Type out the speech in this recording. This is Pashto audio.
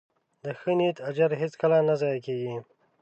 د ښه نیت اجر هیڅکله نه ضایع کېږي.